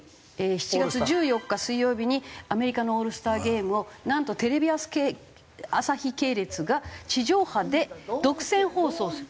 ７月１４日水曜日にアメリカのオールスターゲームをなんとテレビ朝日系列が地上波で独占放送する。